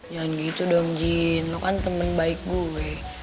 jangan gitu dong jin lo kan temen baik gue